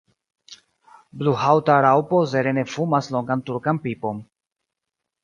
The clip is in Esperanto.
Bluhaŭta raŭpo serene fumas longan turkan pipon.